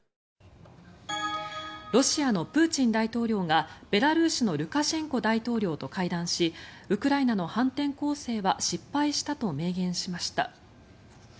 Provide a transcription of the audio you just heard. ロシアのプーチン大統領がベラルーシのルカシェンコ大統領と会談しウクライナの反転攻勢は失敗したと明言しました。